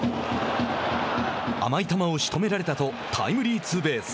甘い球をしとめられたとタイムリーツーベース。